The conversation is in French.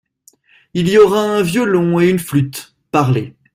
Il y aura un violon et une flûte." Parlé.